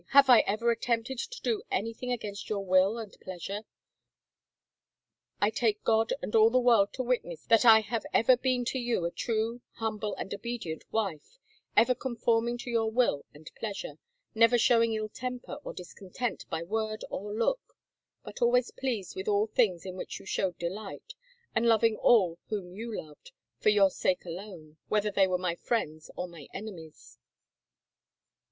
Have I ever attempted to do anything against your will and pleasure? ... I take God and all the world to witness that I have ever been to you a true, himible, and obedient wife, ever conforming to your will and pleasure, never showing ill temper or discontent by word or look, but always pleased with all things in which you showed delight, and loving all whom you loved, for your sake alone, whether they were my friends or my enemies."